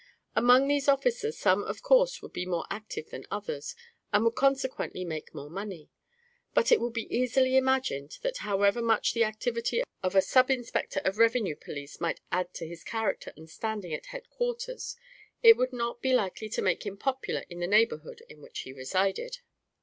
Among these officers some of course would be more active than others, and would consequently make more money; but it will be easily imagined, that however much the activity of a sub inspector of revenue police might add to his character and standing at headquarters, it would not be likely to make him popular in the neighbourhood in which he resided.